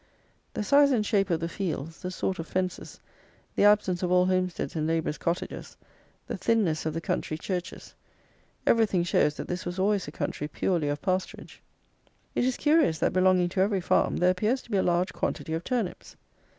The size and shape of the fields, the sort of fences, the absence of all homesteads and labourers' cottages, the thinness of the country churches, everything shows that this was always a country purely of pasturage. It is curious, that, belonging to every farm, there appears to be a large quantity of turnips.